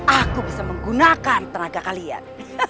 aku bisa menggunakan tenaga kalian